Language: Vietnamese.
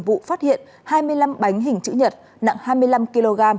vụ phát hiện hai mươi năm bánh hình chữ nhật nặng hai mươi năm kg